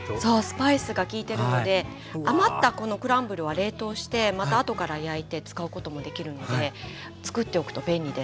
スパイスがきいてるので余ったこのクランブルは冷凍してまたあとから焼いて使うこともできるのでつくっておくと便利です。